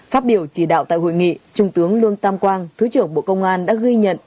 phát biểu chỉ đạo tại hội nghị trung tướng lương tam quang thứ trưởng bộ công an đã ghi nhận